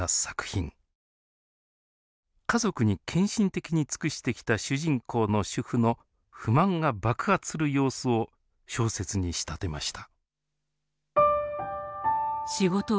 家族に献身的に尽くしてきた主人公の主婦の不満が爆発する様子を小説に仕立てました。